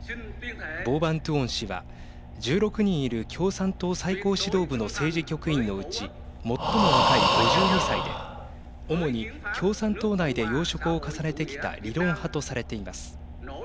ボー・バン・トゥオン氏は１６人いる共産党最高指導部の政治局員のうち最も若い５２歳で主に共産党内で要職を重ねてきた理論派とされています。